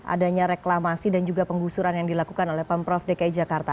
adanya reklamasi dan juga penggusuran yang dilakukan oleh pemprov dki jakarta